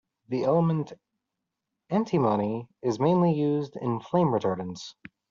The element antimony is mainly used in flame retardants.